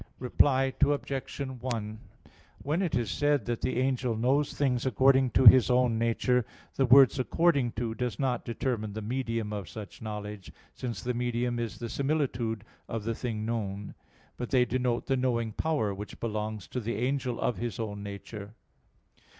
Reply Obj. 1: When it is said that the angel knows things according to his own nature, the words "according to" do not determine the medium of such knowledge, since the medium is the similitude of the thing known; but they denote the knowing power, which belongs to the angel of his own nature.